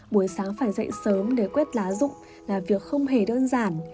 buổi sáng phải dậy sớm để quét lá dụng là việc không hề đơn giản